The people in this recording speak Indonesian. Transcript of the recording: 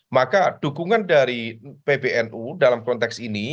maka dukungan dari pbnu dalam konteks ini